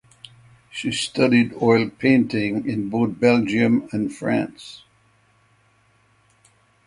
She studied oil painting in both Belgium and France.